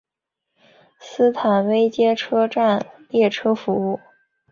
斯坦威街车站列车服务。